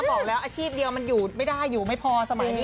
บอกแล้วอาชีพเดียวมันไม่พอสมัยนี้